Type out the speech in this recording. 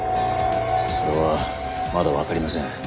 それはまだわかりません。